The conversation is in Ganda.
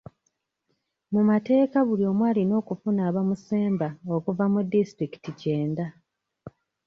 Mu mateeka buli omu alina okufuna abamusemba okuva mu disitulikiti kyenda.